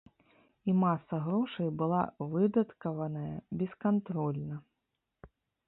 І маса грошай была выдаткаваная бескантрольна.